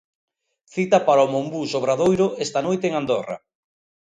Cita para o Monbús Obradoiro esta noite en Andorra.